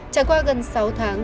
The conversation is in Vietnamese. trải qua gần sáu tháng